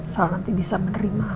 salah nanti bisa menerima